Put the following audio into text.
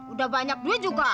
udah banyak duit juga